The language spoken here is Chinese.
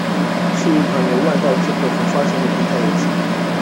是一款由万代制作和发行的平台游戏。